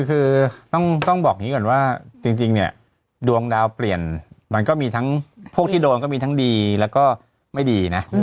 คือต้องบอกอย่างนี้ก่อนว่าจริงเนี่ยดวงดาวเปลี่ยนมันก็มีทั้งพวกที่โดนก็มีทั้งดีแล้วก็ไม่ดีนะ